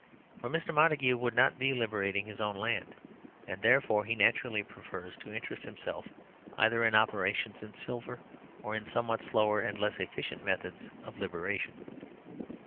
For Mr. Montagu would not be liberating his own land; and therefore he naturally prefers to interest himself either in operations in silver or in somewhat slower and less efficient methods of liberation.